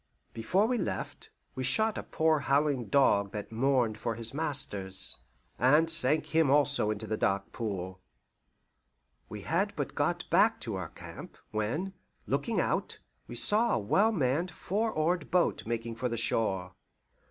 Before we left, we shot a poor howling dog that mourned for his masters, and sank him also in the dark pool. We had but got back to our camp, when, looking out, we saw a well manned four oared boat making for the shore.